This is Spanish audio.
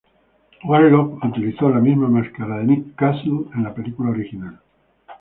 Warlock utilizó la misma máscara de Nick Castle en la película original.